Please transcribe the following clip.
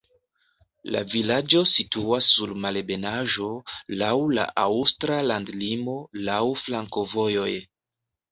La vilaĝo situas sur malebenaĵo, laŭ la aŭstra landlimo, laŭ flankovojoj.